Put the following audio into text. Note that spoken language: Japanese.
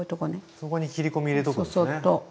そこに切り込み入れとくんですね。